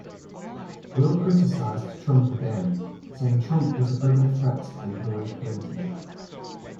Will criticized Trump again, saying Trump was a bigger threat than Hillary Clinton.